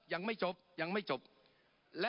ปรับไปเท่าไหร่ทราบไหมครับ